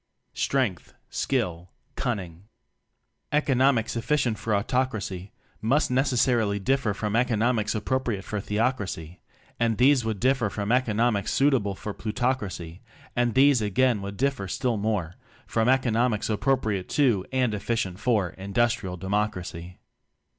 Strength, Skill, Cunning. Economics efficient for autocracy must necessarily differ from eco nomics appropriate to theocracy; and these would differ from economics suitable for plutocracy; and these again would 'differ still more from economics appropriate to and efficient for Industrial Democracy.